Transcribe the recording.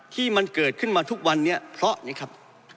ที่มันเกิดขึ้นมาทุกวันนี้เพราะนี่ครับ